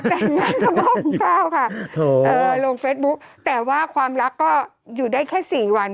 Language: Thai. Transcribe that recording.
เอาแต่งงานกระม่อหูข้าวค่ะโถ่เออลงเฟซบุ๊กแต่ว่าความลักษณ์ก็อยู่ได้แค่สี่วัน